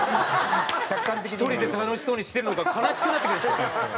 １人で楽しそうにしてるのが悲しくなってくるんですよ。